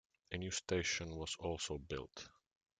A new station was also built.